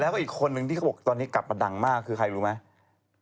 แล้วก็อีกคนนึงที่เขาบอกตอนนี้กลับมาดังมากคือใครรู้ไหม